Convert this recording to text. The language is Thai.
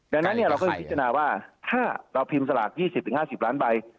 ดังนั้นเราก็วิจฉนะว่าถ้าเราพิมพ์สลาก๒๐๕๐แบบ